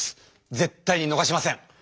絶対にのがしません！